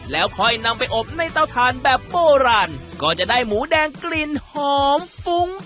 แล้วค่อยนำไปอบในเต้าทานแบบโบราณก็จะได้หมูแดงกลิ่นหอมฟุ้ง